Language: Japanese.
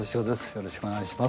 よろしくお願いします。